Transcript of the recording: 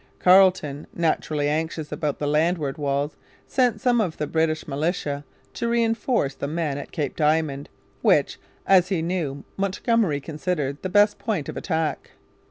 Carleton, naturally anxious about the landward walls, sent some of the British militia to reinforce the men at Cape Diamond, which, as he knew, Montgomery considered the best point of attack.